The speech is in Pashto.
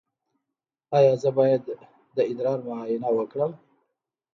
ایا زه باید د ادرار معاینه وکړم؟